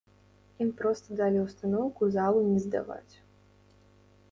Ім проста далі ўстаноўку залу не здаваць.